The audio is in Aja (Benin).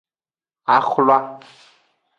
Axwla.